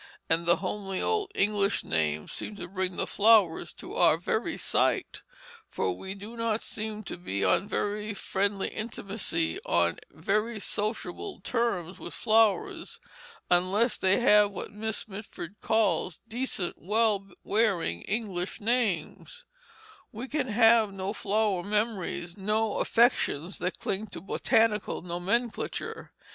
And the homely old English names seem to bring the flowers to our very sight, for we do not seem to be on very friendly intimacy, on very sociable terms with flowers, unless they have what Miss Mitford calls "decent, well wearing English names"; we can have no flower memories, no affections that cling to botanical nomenclature.